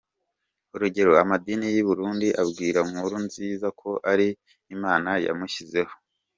Urugero, amadini y’i Burundi abwira Nkurunziza ko ari imana yamushyizeho.